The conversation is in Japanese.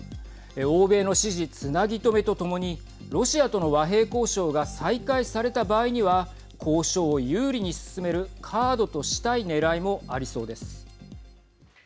欧米の支持、つなぎ止めとともにロシアとの和平交渉が再開された場合には交渉を有利に進めるカードとしたいねらいもありそうです。